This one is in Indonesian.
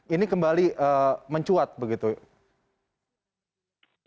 ini kembali mencuat begitu ya